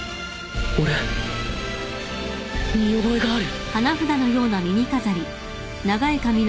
俺見覚えがある